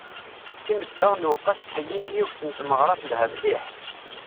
Imezdaɣ n uqqas ttheyyin yiwen n tmeɣṛa telha mliḥ.